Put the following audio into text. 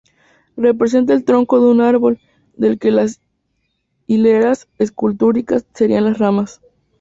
Representa el tronco de un árbol, del que las hileras escultóricas serían las ramas.